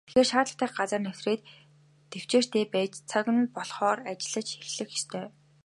Тэрээр шаардлагатай газраа нэвтрээд тэвчээртэй байж цаг нь болохоор ажиллаж эхлэх ёстой.